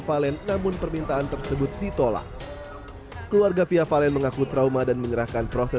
valen namun permintaan tersebut ditolak keluarga fia valen mengaku trauma dan menyerahkan proses